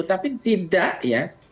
tapi tidak ya